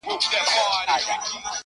هم انساني انا او پوهه کې مخکې لیکي